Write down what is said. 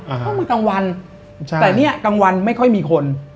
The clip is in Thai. ต้องมาตั้งวันแต่ตั้งวันไม่ค่อยมีคน